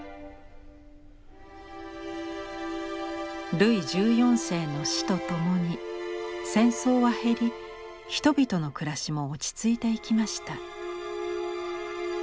ルイ１４世の死とともに戦争は減り人々の暮らしも落ち着いていきました。